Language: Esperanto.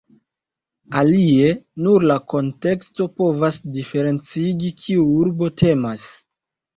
Alie, nur la konteksto povas diferencigi, kiu urbo temas.